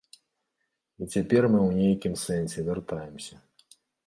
І цяпер мы ў нейкім сэнсе вяртаемся.